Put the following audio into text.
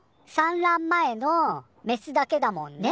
産卵前のメスだけだもん。